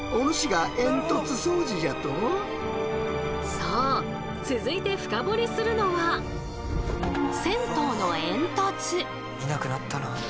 そう続いて深掘りするのは見なくなったな。